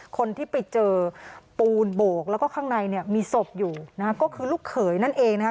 คนที่ไปเจอปูนโบกแล้วก็ข้างในเนี่ยมีศพอยู่นะฮะก็คือลูกเขยนั่นเองนะฮะ